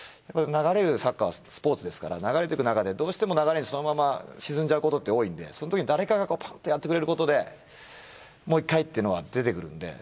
流れるサッカーはスポーツですから流れてくなかでどうしても流れにそのまま沈んじゃうことって多いんでそのとき誰かがパッてやってくれることでもう１回ってのは出てくるので。